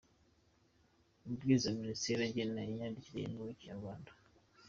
Amabwiriza ya Minisitiri agena Imyandikire yemewe y‟Ikinyarwanda.